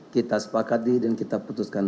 kita sepakati dan kita putuskan